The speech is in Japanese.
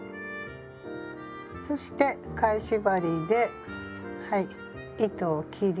そして返し針ではい糸を切り。